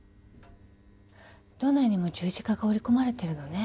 どの絵にも十字架が織り込まれてるのね。